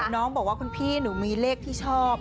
น้องขอบพี่ฉันมีเลขที่ชอบ